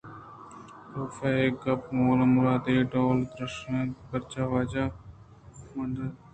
کاف ءَاے گپ ءِ مولءُمراد اے ڈول ءَ درشانت کہ بچار واجہ من ادا درآمدے آ ں